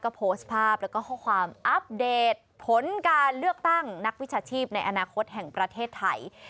ก็โพสต์ภาพแล้วก็ข้อความอัปเดตผลการเลือกตั้งนักวิชาชีพในอนาคตแห่งประเทศไทย